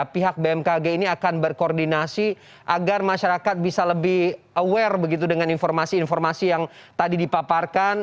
pihak bmkg ini akan berkoordinasi agar masyarakat bisa lebih aware begitu dengan informasi informasi yang tadi dipaparkan